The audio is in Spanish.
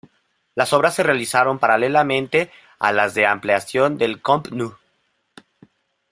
Las obras se realizaron paralelamente a las de ampliación del Camp Nou.